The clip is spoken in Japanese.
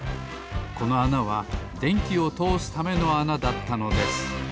このあなはでんきをとおすためのあなだったのです。